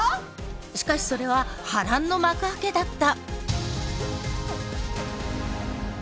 しかしそれは波乱の幕開けだった。